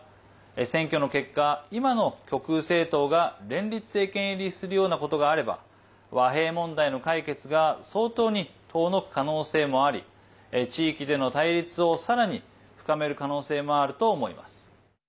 選挙の結果、今の極右政党が連立政権入りするようなことがあれば和平問題の解決が相当に遠のく可能性もあり地域での対立を、さらに深める可能性もあると思います。